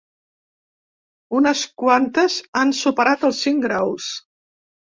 Unes quantes han superat els cinc graus.